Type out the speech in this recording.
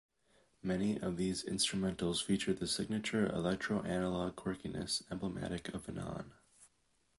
Many of these instrumentals feature the signature electro-analog quirkiness emblematic of Enon.